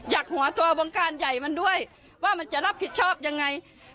หัวตัววงการใหญ่มันด้วยว่ามันจะรับผิดชอบยังไง